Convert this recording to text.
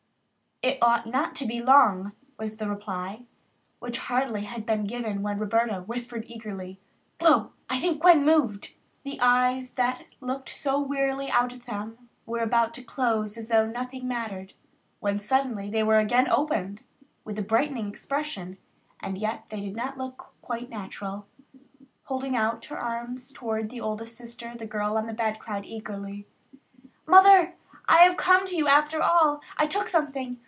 "It ought not to be long," was the reply, which had hardly been given when Roberta whispered eagerly, "Glow, I think Gwen moved." The eyes that looked so wearily out at them were about to close as though nothing mattered, when suddenly they were again opened with a brightening expression, and yet they did not look quite natural. Holding out her arms toward the oldest sister, the girl on the bed cried eagerly: "Mother, I have come to you after all. I took something.